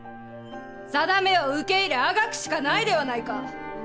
さだめを受け入れあがくしかないではないか。